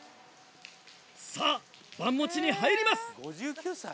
さぁ盤持ちに入ります！